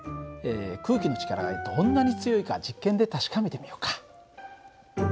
空気の力がどんなに強いか実験で確かめてみようか。